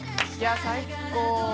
最高。